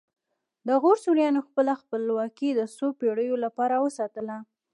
د غور سوریانو خپله خپلواکي د څو پیړیو لپاره وساتله